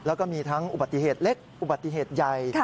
แล้วก็มีทั้งอุบัติเหตุเล็กอุบัติเหตุใหญ่